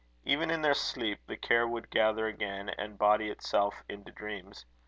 Even in their sleep, the care would gather again, and body itself into dreams.